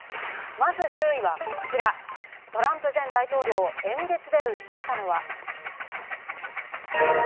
まず１０位こちら、トランプ前大統領、演説で訴えたのは。